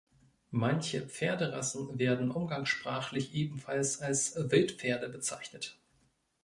Manche Pferderassen werden umgangssprachlich ebenfalls als „Wildpferde“ bezeichnet.